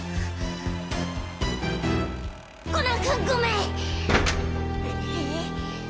コナン君ごめん！